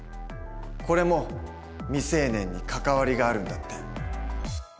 これも未成年に関わりがあるんだって。